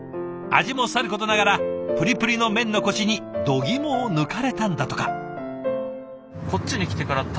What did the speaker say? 味もさることながらプリプリの麺のコシにどぎもを抜かれたんだとか。